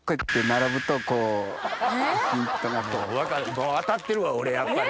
分かるもう当たってるわ俺やっぱり。